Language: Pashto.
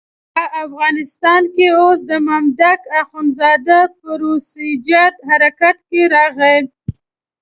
په افغانستان کې اوس د مامدک اخندزاده پروسیجر حرکت کې راغلی.